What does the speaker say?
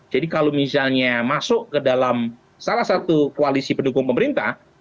jadi kalau misalnya masuk ke dalam salah satu koalisi pendukung pemerintah